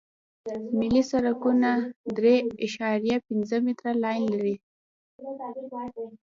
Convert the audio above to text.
ملي سرکونه درې اعشاریه پنځه متره لاین لري